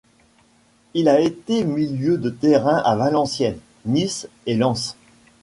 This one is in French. Il a été milieu de terrain à Valenciennes, Nice et Lens.